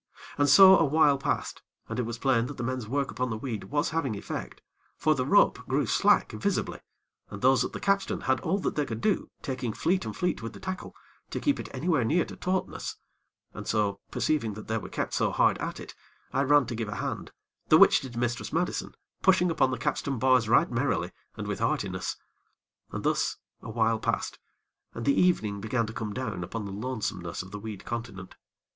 And so a while passed, and it was plain that the men's work upon the weed was having effect; for the rope grew slack visibly, and those at the capstan had all that they could do, taking fleet and fleet with the tackle, to keep it anywhere near to tautness, and so, perceiving that they were kept so hard at it, I ran to give a hand, the which did Mistress Madison, pushing upon the capstan bars right merrily and with heartiness. And thus a while passed, and the evening began to come down upon the lonesomeness of the weed continent.